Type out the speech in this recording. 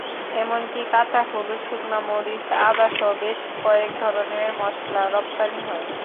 এমনকি কাঁচা হলুদ, শুকনা মরিচ, আদাসহ বেশ কয়েক ধরনের মসলা রপ্তানি হয়।